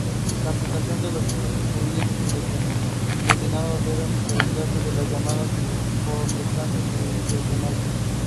The sixth commandment is, Thou shalt not kill.